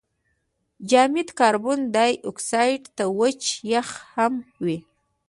جامد کاربن دای اکساید ته وچ یخ هم وايي.